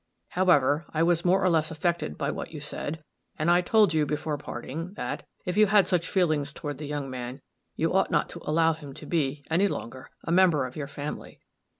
However, I was more or less affected by what you said, and I told you, before parting, that, if you had such feelings toward the young man, you ought not to allow him to be, any longer, a member of your family.